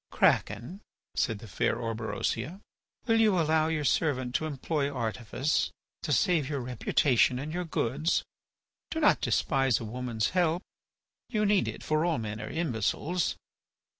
"Kraken," said the fair Orberosia, "will you allow your servant to employ artifice to save your reputation and your goods? Do not despise a woman's help. You need it, for all men are imbeciles."